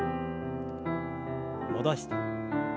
戻して。